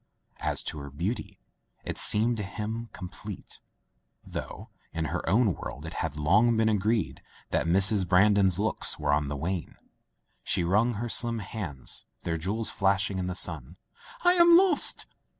As to her beauty, it seemed to him com plete (though in her own world it had long been agreed that Mrs. Brandon's looks were on the wane). She wrung her slim hands, their jewels flashing in the sun. "I am lost!"